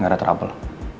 gak ada trouble